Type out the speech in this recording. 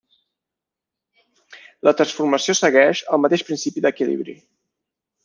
La transformació segueix el mateix principi d'equilibri.